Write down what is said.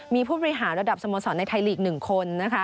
มีผู้บริหารระดับสโมสรในไทยลีก๑คนนะคะ